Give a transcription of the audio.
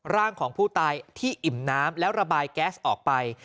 ร่างของผู้ตายที่อิ่มน้ำแล้วระบายแก๊สออกไป